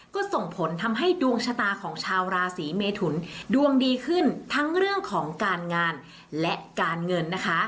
ก็ส่งผลทำให้ดวงชะตาของชาวราศีเมทุนดวงดีขึ้นทั้งเรื่องของการงานและการเงินนะคะ